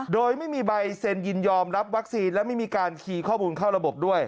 โดยไม่มีใบเซ็นยินยอมรับวัคซีนและไม่มีการคีย์ข้อมูลเข้าระบบด้วย